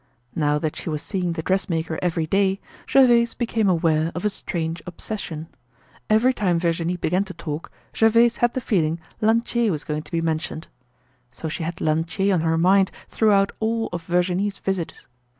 Now that she was seeing the dressmaker every day Gervaise became aware of a strange obsession. Every time Virginie began to talk Gervaise had the feeling Lantier was going to be mentioned. So she had Lantier on her mind throughout all of Virginie's visits.